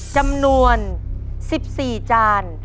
จำนวน๑๔จาน